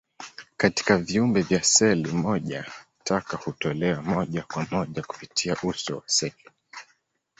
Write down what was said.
Katika viumbe vya seli moja, taka hutolewa moja kwa moja kupitia uso wa seli.